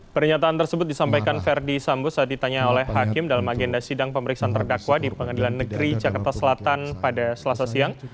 pernyataan tersebut disampaikan verdi sambo saat ditanya oleh hakim dalam agenda sidang pemeriksaan terdakwa di pengadilan negeri jakarta selatan pada selasa siang